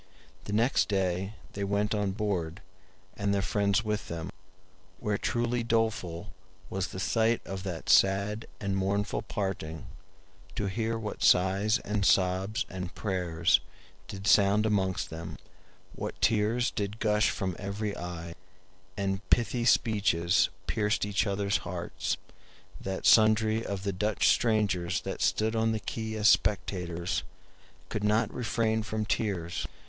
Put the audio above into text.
The next day they went on board, and their friends with them, where truly doleful was the sight of that sad and mournful parting, to hear what sighs and sobs and prayers did sound amongst them; what tears did gush from every eye, and pithy speeches pierced each other's heart, that sundry of the Dutch strangers that stood on the Key as spectators could not refrain from tears.